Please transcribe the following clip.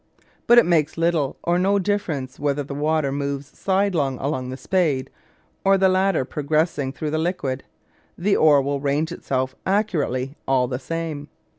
But it makes little or no difference whether the water moves sidelong on the spade or the latter progresses through the liquid; the ore will range itself accurately all the same.